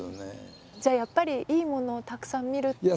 じゃあやっぱりいいものをたくさん見るっていう。